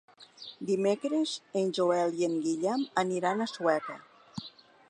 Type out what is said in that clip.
Dimecres en Joel i en Guillem aniran a Sueca.